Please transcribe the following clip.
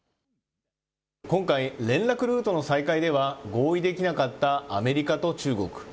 今回、連絡ルートの再開では合意できなかったアメリカと中国。